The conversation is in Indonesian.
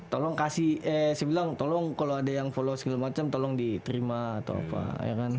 tolong kasih eh saya bilang tolong kalau ada yang follow segala macam tolong diterima atau apa ya kan